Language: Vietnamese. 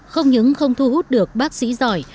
không những không thu hút được bác sĩ giỏi